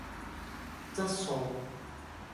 質素